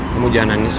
kamu jangan nangis